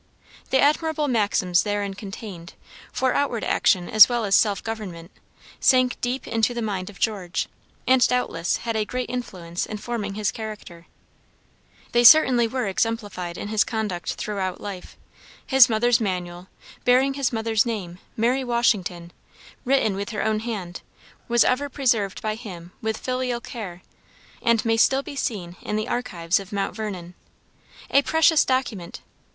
The admirable maxims therein contained, for outward action as well as self government, sank deep into the mind of George, and doubtless had a great influence in forming his character. They certainly were exemplified in his conduct throughout life. His mother's manual, bearing his mother's name, Mary Washington, written with her own hand, was ever preserved by him with filial care, and may still be seen in the archives of Mount Vernon. A precious document!